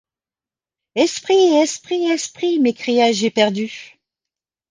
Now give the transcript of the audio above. Esprit! esprit ! esprit ! m’écriai-je éperdu.